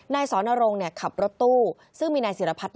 สอนรงค์ขับรถตู้ซึ่งมีนายศิรพัฒน์